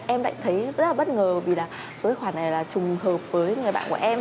em lại thấy rất là bất ngờ vì là số tài khoản này là trùng hợp với người bạn của em